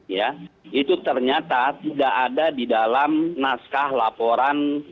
ya itu ternyata tidak ada di dalam naskah laporan